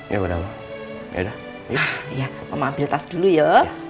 ya udah ya udah ya mama ambil tas dulu ya